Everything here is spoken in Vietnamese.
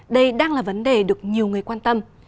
đây đang là vấn đề được nhiều người quan tâm